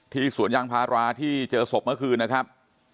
สวนยางพาราที่เจอศพเมื่อคืนนะครับ